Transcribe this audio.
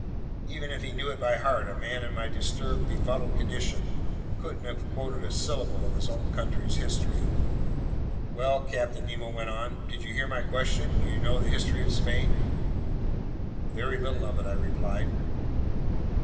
Even if he knew it by heart, a man in my disturbed, befuddled condition couldn't have quoted a syllable of his own country's history. "Well?" Captain Nemo went on. "Did you hear my question? Do you know the history of Spain?" "Very little of it," I replied.